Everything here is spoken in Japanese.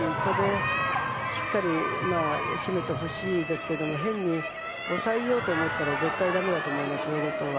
ここで、しっかり締めてほしいですけれども変に抑えようと思ったら絶対だめだと思います、後藤は。